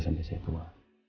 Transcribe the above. sampai saya tua